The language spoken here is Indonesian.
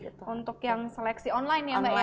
untuk yang seleksi online ya mbak ya